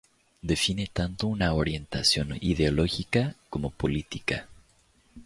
Define tanto una orientación ideológica como política.